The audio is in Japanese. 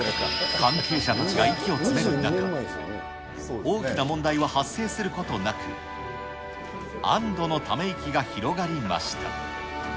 関係者たちが息を詰める中、大きな問題は発生することなく、安どのため息が広がりました。